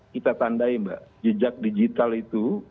kita tandai mbak jejak digital itu